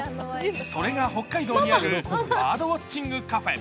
それが北海道にあるバードウォッチングカフェ。